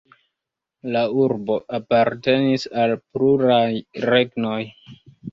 La urbo apartenis al pluraj regnoj.